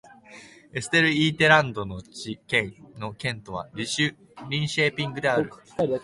エステルイェータランド県の県都はリンシェーピングである